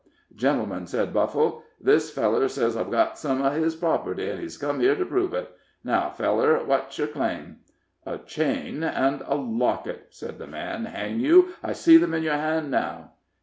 "Gentlemen," said Buffle, "this feller sez I've got some uv his property, an' he's come here to prove it. Now, feller, wot's yer claim?" "A chain and locket," said the man; "hang you, I see them in your hand now."